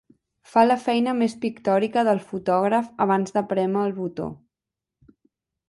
Fa la feina més pictòrica del fotògraf abans de prémer el botó.